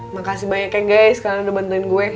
makasih banyak ya guys kalian udah bantuin gue